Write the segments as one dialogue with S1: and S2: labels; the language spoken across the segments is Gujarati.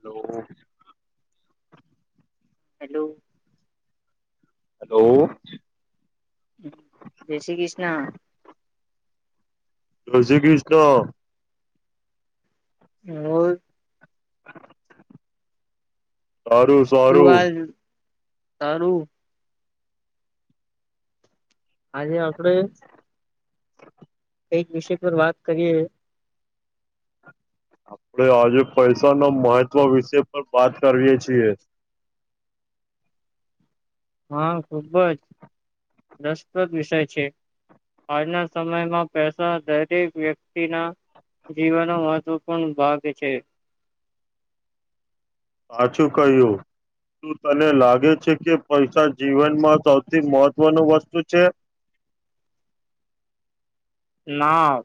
S1: હલો.
S2: હેલો.
S1: હેલો.
S2: જય શ્રી કૃષ્ણ.
S1: જય શ્રી કૃષ્ણ.
S2: [unintelligible] [unintelligible]
S1: [inaudible] [inaudible] સારું-સારું.
S2: સારું. આજે. [unintelligible] [inaudible] એક વિષય પર વાત કરીએ.
S1: આપડ આજે પૈસા ન મહત્વ વિશે પણ વાત કરીએ છીએ.
S2: હા ખૂબ જ રસપ્રદ વિષય છે, આજના સમયમાં પેસા દરેક વ્યક્તિના જીવનનો મહત્વપૂર્ણ ભાગ છે.
S1: પાછું કહ્યું તું તને લાગે છે કે પૈસા જીવનમાં સૌથી મહત્વનું વસ્તુ છે.
S2: ના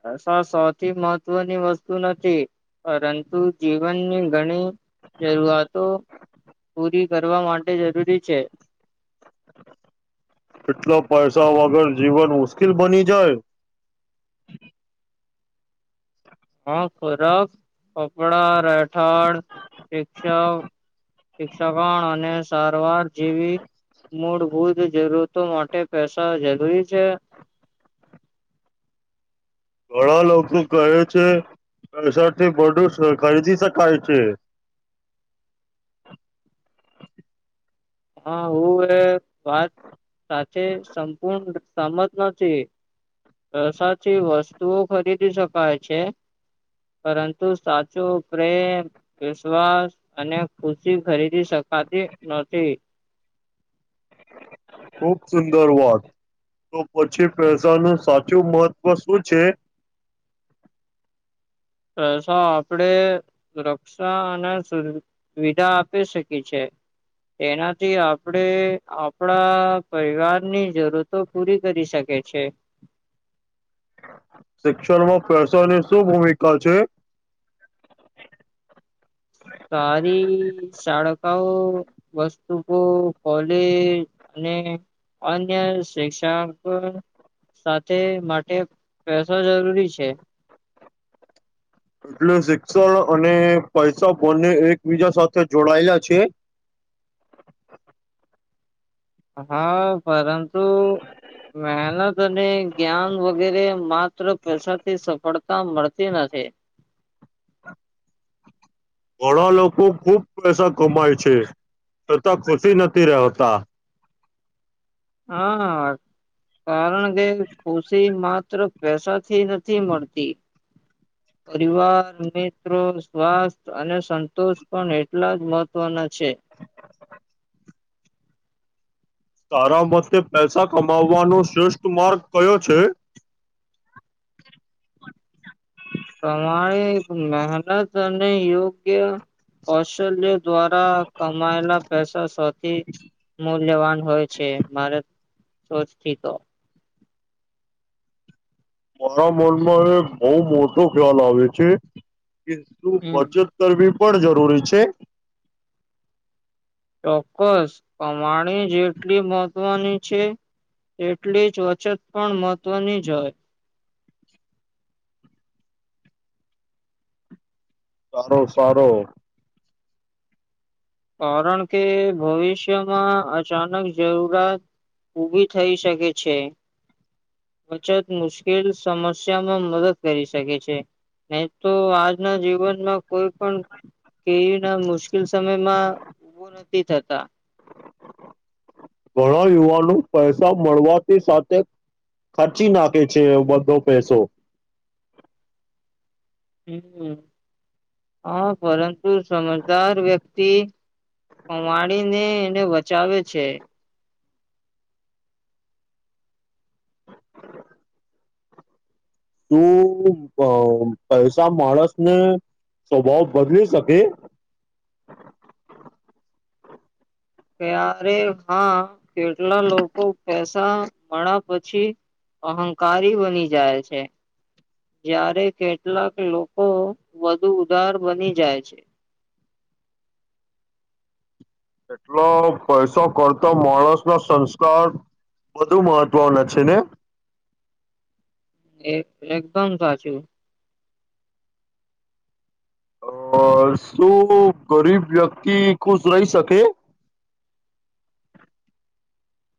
S2: પૈસા સૌથી મહત્વની વસ્તુ નથી પરંતુ જીવનની ઘણી જરૂઆતો પૂરી કરવા માટે જરૂરી છે.
S1: એટલા પૈસા વગર જીવન મુશ્કેલ બની જાય.
S2: ખરખ કપડા રહેઠાળ શિક્ષ શિક્ષકોણ અને સારવાર જેવી મૂળભૂત જરૂરતો માટે પૈસા જરૂરી છે.
S1: ઘણા લોકો કહે છે પૈસાથી બડું ખરીદી શકાય છે.
S2: હા હું એ વાત સાથે સંપૂર્ણ સમજ નથી પ્રસાથી વસ્તુઓ ખરીદી શકાય છે, પરંતુ સાચો પ્રેમ વિશ્વાસ અને ખુશી ખરીદી શકાતી નથી.
S1: ખુબ સુંદર વાત તો પછી પૈસાનું સાચું મહત્ત્વ શું છે
S2: પૈસા આપણે સુરક્ષા અને સુ સુવિધા આપી શકીએ છે તેનાથી આપણે આપણા પરિવારની જરૂરતો પૂરી કરી શકી છે
S1: શિક્ષણમાં પૈસા ની શું ભૂમિકા છે
S2: સારી શાળાઓ વસ્તુકો કોલેજ અને અન્ય શિક્ષકો સાથે માટે પૈસા જરૂરી છે
S1: એટલે શિક્ષણ અને પૈસા બંને એકબીજા સાથે જોડાયેલા છે
S2: હા પરંતુ મહેનત અને જ્ઞાન વગેરે માત્ર પૈસાથી સફળતા મળતી નથી
S1: ઘણા લોકો ખુબ પૈસા કમાય છે છતાં ખુશી નથી રહેતા
S2: હા કારણ કે ખુશી માત્ર પૈસાથી નથી મળતી પરિવાર મિત્રો સ્વાસ્થ અને સંતોષ પણ એટલા જ મહત્વના છે છે
S1: તારા મતે પૈસા કમાવવાનો શ્રેષ્ઠ માર્ગ કયો છે [inaudible] [inaudible]
S2: તમારે મહેનત અને યોગ્ય કૌશલ્ય દ્વારા કમાયેલા પૈસા સૌથી મૂલ્યવાન હોય છે મારે સોચથી તો
S1: મારા મનમાં એ બહુ મોટો ખ્યાલ આવે છે કે શું
S2: હમ
S1: બચત કરવી પણ જરૂરી છે
S2: ચોક્કસ કમાણી જેટલી મહત્વની છે તેટલી જ વચત પણ મહત્વની જ હોય
S1: સારો સારો
S2: કારણ કે ભવિષ્યમાં અચાનક જરૂિયાત ઊભી થઈ શકે છે બચત મુશ્કેલ સમસ્યામાં મદદ કરી શકે છે નહી તો આજના જીવનમાં કોઈ પણ કેવી ના મુશ્કેલ સમય માં ઉભું નથી થતા
S1: ઘણા યુવાનો પૈસા મળવાથી સાથે ખર્ચી નાખે છે બધો પૈસો
S2: હમ હા પરંતુ સમજદાર વ્યક્તિ કમાડીને એને બચાવે છે.
S1: તું પૈસા માણસને સ્વભાવ બદલી શકે
S2: ત્યારે હા કેટલા લોકો પૈસા મળ્યા પછી અહંકારી બની જાય છે જ્યારે કેટલાક લોકો વધુ ઉધાર બની જાય છે.
S1: એટલો પૈસો કરતો માણસ નો સંસ્કાર બધુ મહત્વના છે ને
S2: એ એકદમ સાચું
S1: અ શું ગરીબ વ્યક્તિ ખુશ રહી શકે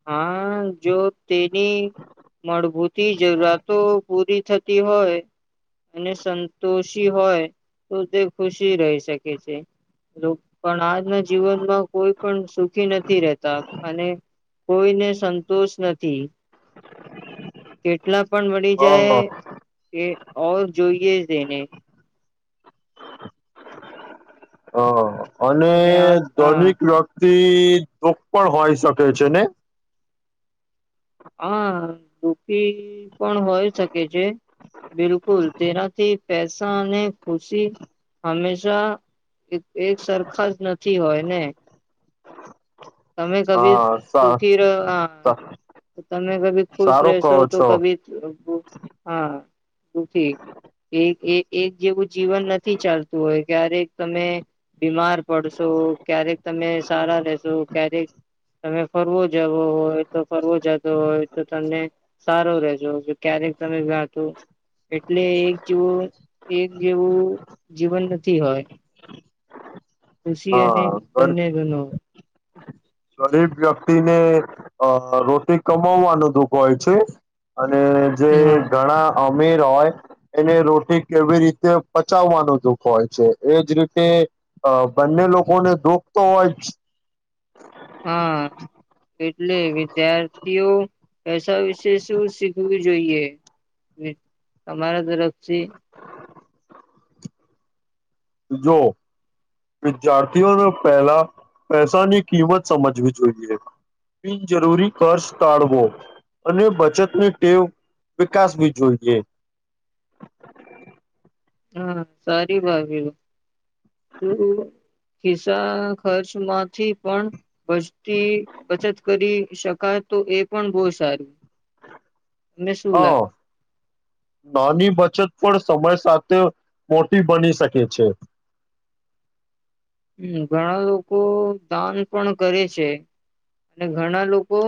S2: હા જો તેની મળભૂતી જરૂરાતો પૂરી થતી હોય અને સંતોષી હોય તો તે ખુશી રહી શકે છે પણ આજના જીવનમાં કોઈ પણ સુખી નથી રહેતા અને કોઈને સંતોષ નથી. કેટલા પણ મળી જાય
S1: હા
S2: કે ઓ જોઈએ જ એને
S1: હ અને
S2: આ હા
S1: ધોનિક વક્ત થી દુઃખ પણ હોય શકે છે ને
S2: હ દુઃખી પણ હોય શકે છે બિલકુલ તેનાથી પેસા અને ખુશી હંમેશા એક સરખા જ નથી હોય ને તમે કભી
S1: હા સા
S2: સુખી રહો હા
S1: સા
S2: તમે કભી ખુશ
S1: સારો કહો
S2: રહેશો તો
S1: છો
S2: કભી હા એક જેવું જીવન નથી ચાલતું હોય ક્યારેક તમે બીમાર પડશો ક્યારેક તમે સારા રેશો ક્યારેક તમે ફરવો જવો હોય. તો ફરવો જતો હોય તો તમને સારો રેજો જો ક્યારેક તમે ગતું એટલે એક જેવું એક જેવું જીવન નથી હોય. ખુશી અને
S1: હા
S2: બંને ગનો [inaudible]
S1: ગરીબ વ્યક્તિને અ રોટી કમાવવાનું દુઃખ હોય છે. અને જે
S2: હા
S1: ઘણા અમીર હોય એને રોટી કેવી રીતે પચાવવાનું દુઃખ હોય છે એજ રીતે બંને લોકોને દુઃખ તો હોય જ
S2: હા એટલે વિદ્યાર્થીઓ પૈસા વિશે શું શીખવું જોઈએ તમારા તરફથી
S1: જો વિદ્યાર્થીઓને પહેલા પૈસાની કિંમત સમજવી જોઈએ બિનજરૂરી ખર્ચ ટાળવો અને બચતની ટેવ વિકાસવી જોઈએ.
S2: હા સારી વાત એ શું ખિસ્સા ખર્ચમાંથી પણ બચતી બચત કરી શકાય તો એ પણ બો સારું તમને શું
S1: હા
S2: લાગે
S1: નાની બચત પણ સમય સાથે મોટી બની શકે છે.
S2: હ ઘણા લોકો દાન પણ કરે છે અને ઘણા લોકો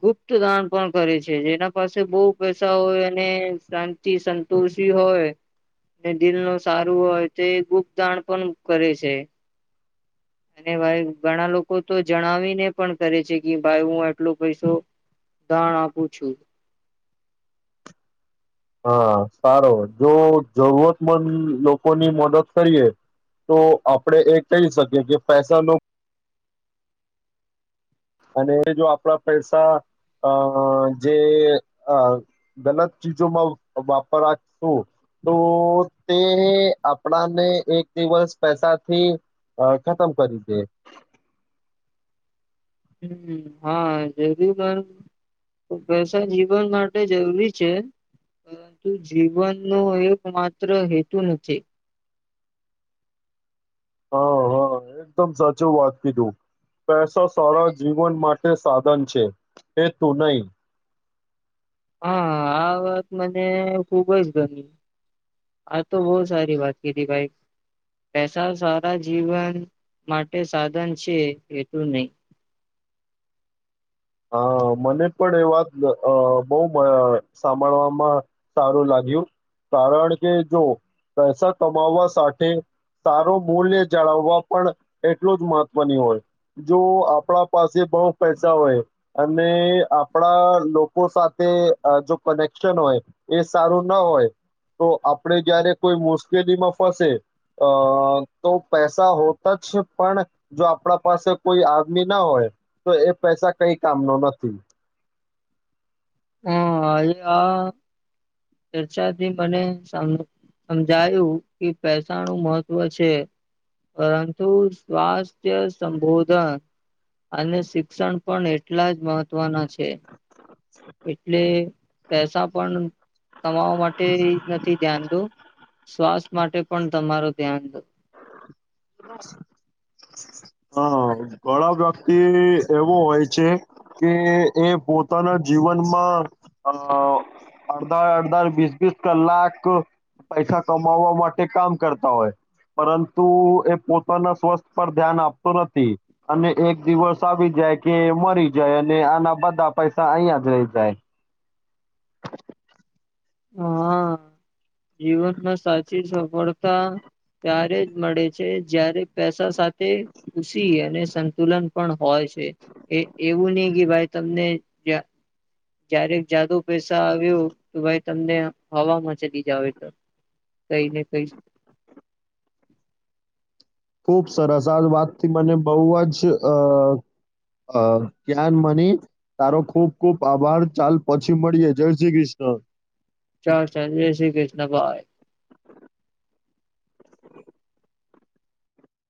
S2: ગુપ્ત દાન પણ કરે છે જેના પાસે બહુ પૈસા હોય અને શાંતિ સંતોષી હોય દિલનુ સારું હોય તો ગુપ્ત દાન પણ કરે છે. અને ભાઈ ઘણા લોકો તો જણાવીને પણ કરે છે કે ભાઈ હું આટલો પૈસો દાણ આપું છું.
S1: હા સારો જો જરૂરતમંદ લોકોની મદદ કરીએ તો આપણે એ કહી શકીએ કે પૈસા અને જો આપણા પૈસા અ જે અ ગલત ચીજોમાં વાપરશું તો તે આપણાને એક દિવસ પૈસાથી ખતમ કરી દે
S2: હમ હા જરૂરી પૈસા જીવન માટે જરૂરી છે પરંતુ જીવનનો એક માત્ર હેતુ નથી.
S1: હા હા એકદમ સાચું વાત કીધું પૈસા સારા જીવન માટે સાધન છે હેતુ નહી
S2: હા આ વાત મને ખુબ જ ગમી આ તો બહુ સારી વાત કીધી ભાઈ પેસા સારા જીવન માટે સાધન છે એટું નહી
S1: હા મને પણ એ વાત બહુ સાંભળવામાં સારું લાગ્યું કારણ કે જો પૈસા કમાવવા સાથે સારો મૂલ્ય જાળવવા પણ એટલું જ મહત્વની હોય જો આપણા પાસે બહુ પૈસા હોય અને આપણા લોકો સાથે જો કનેક્શન હોય એ સારું ના હોય તો આપણે જયારે કોઈ મુશ્કેલીમાં ફસે અ તો પૈસા હોતા જ પણ જો આપણા પાસે કોઈ આદમી ના હોય તો એ પૈસા કઈ કામ ના નથી
S2: હ આ આ ચર્ચાથી મને સમજાયું કે પેસાણું મહત્વ છે પરંતુ સ્વાસ્થ્ય સંબોધન અને શિક્ષણ પણ એટલા જ મહત્વના છે એટલે પૈસા પણ કમાવા માટે નથી ધ્યાન દો સ્વાસ્થ માટે પણ તમારું ધ્યાન દ
S1: હા ઘણા વ્યક્તિ એવો હોય છે કે એ પોતાના જીવનમાં અ અડધા અડધા વીસ વીસ કલાક પૈસા કમાવવા માટે કામ કરતા હોય પરંતુ એ પોતાના સ્વસ્થ પર ધ્યાન આપતું નથી અને એક દિવસ આવી જાય કે મરી જાય અને આના બધા પૈસા અહીયા જ રહી જાય
S2: હા જીવનમાં સાચી સફળતા ત્યારે જ મળે છે જારે પૈસા તે ખુસી અને સંતુલન પણ હોય છે એવું નહી કે ભાઈ તમને જ્યારેક જાદુ પૈસા આવ્યો તો ભાઈ તમને હવામાં ચલી જાવ તો કઈ ને કઈ
S1: ખુબ સરસ આ વાત થી મને બહુ જ ગયાન મની તારો ખૂબ ખૂબ આભાર ચાલ પછી મળીએ જય શ્રી કૃષ્ણ
S2: ચાલચાલ જય શ્રી કૃષ્ણ ભાઈ